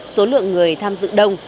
số lượng người tham dự đông